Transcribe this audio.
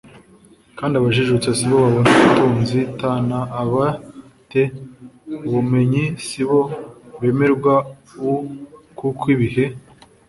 kandi abajijutse si bo babona ubutunzi t n aba te ubumenyi si bo bemerwa u kuko ibihe